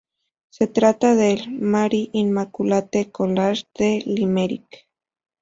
Se trata del "Mary Immaculate College", de Limerick.